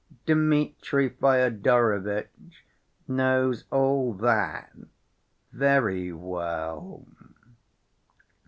Dmitri Fyodorovitch knows all that very well."